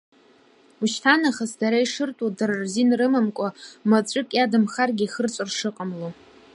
Ушьҭа нахыс дара ишыртәу, дара рзин рымамкәа, маҵәык иадымхаргьы, ихырҵәар шыҟамло.